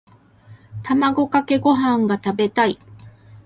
卵かけご飯が食べたい。